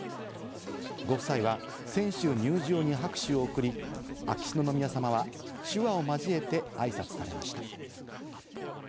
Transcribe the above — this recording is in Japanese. ご夫妻は、選手入場に拍手を送り、秋篠宮さまは手話を交えてあいさつされました。